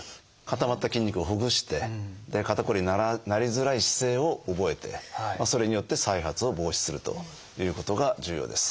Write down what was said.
固まった筋肉をほぐして肩こりになりづらい姿勢を覚えてそれによって再発を防止するということが重要です。